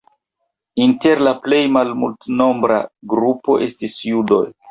Inter la plej multnombra grupo estis judoj.